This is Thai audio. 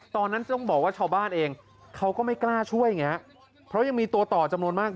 ตอนนั้นต้องบอกว่าชาวบ้านเองเขาก็ไม่กล้าช่วยไงฮะเพราะยังมีตัวต่อจำนวนมาก